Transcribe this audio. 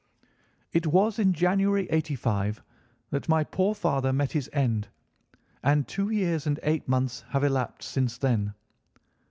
"It was in January, '85, that my poor father met his end, and two years and eight months have elapsed since then.